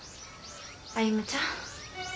歩ちゃん。